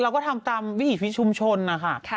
เราก็ทำตามวิธีวิชชุมชนค่ะ